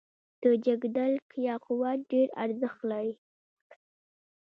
د جګدلک یاقوت ډیر ارزښت لري